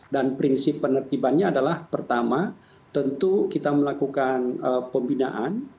dan prinsip penertibannya adalah pertama tentu kita melakukan pembinaan